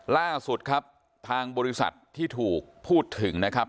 ล่าสุดครับทางบริษัทที่ถูกพูดถึงนะครับ